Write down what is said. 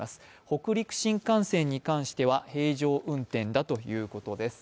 北陸新幹線に関しては、平常運転だということです。